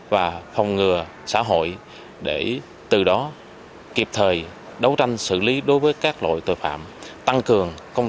và phòng ngừa xã hội để từ đó kịp thời đấu tranh xử lý đối với các loại tội phạm tăng cường công